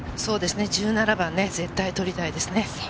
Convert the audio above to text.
１７番、絶対とりたいですね。